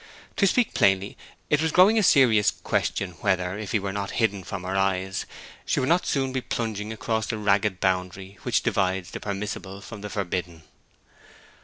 To speak plainly, it was growing a serious question whether, if he were not hidden from her eyes, she would not soon be plunging across the ragged boundary which divides the permissible from the forbidden.